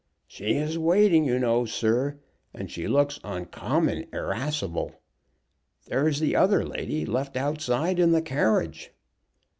"She is waiting, you know, sir, and she looks uncommon irascible. There is the other lady left outside in the carriage."